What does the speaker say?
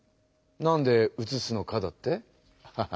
「なんで移すのか」だって？